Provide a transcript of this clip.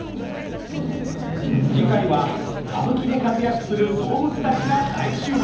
次回は歌舞伎で活躍する動物たちが大集合！